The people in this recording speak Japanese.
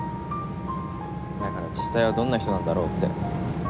だから実際はどんな人なんだろうって。